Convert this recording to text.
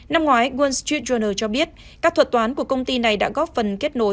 năm ngoái world street journal cho biết các thuật toán của công ty này đã góp phần kết nối